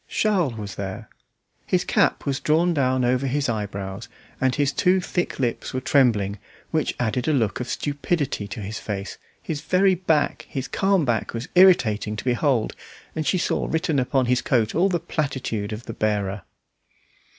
Charles was there. His cap was drawn down over his eyebrows, and his two thick lips were trembling, which added a look of stupidity to his face; his very back, his calm back, was irritating to behold, and she saw written upon his coat all the platitude of the bearer.